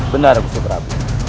benar gusti prabu